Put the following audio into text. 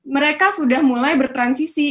mereka sudah mulai bertransisi